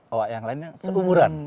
awak yang lainnya seumuran